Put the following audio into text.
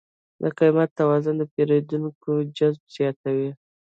د قیمت توازن د پیرودونکو جذب زیاتوي.